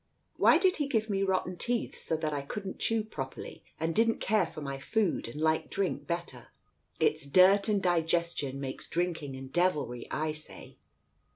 Why did He give me rotten teeth so that I couldn't chew properly and didn't care for my food and liked drink better? It's dirt and digestion makes drink ing and devilry, I say."